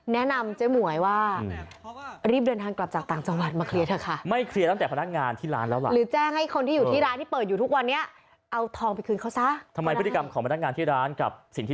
แนะนำเจ๊หมวยว่ารีบเดินทางกลับจากต่างจังหวัดมาเคลียร์เถอะค่ะ